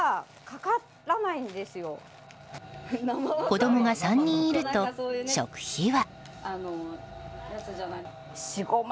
子供が３人いると食費は。